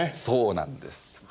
そうなんです。